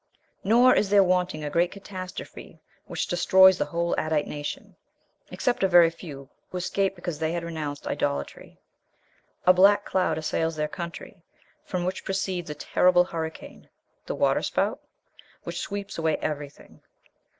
Nor is there wanting a great catastrophe which destroys the whole Adite nation, except a very few who escape because they had renounced idolatry. A black cloud assails their country, from which proceeds a terrible hurricane (the water spout?) which sweeps away everything.